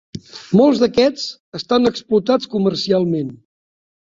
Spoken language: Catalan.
Molts d'aquests estan explotats comercialment.